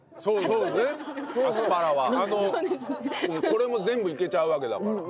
これも全部いけちゃうわけだから。